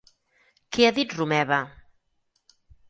Què ha dit Romeva?